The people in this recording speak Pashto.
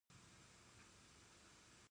ایا ماشومان مو مکتب ته ځي؟